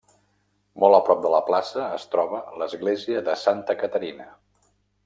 Molt a prop de la plaça es troba l'església de Santa Caterina.